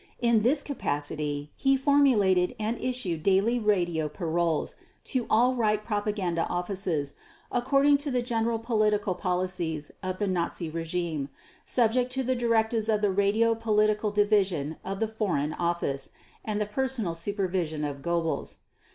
In this capacity he formulated and issued daily radio "paroles" to all Reich propaganda offices, according to the general political policies of the Nazi regime, subject to the directives of the Radio Political Division of the Foreign Office, and the personal supervision of Goebbels.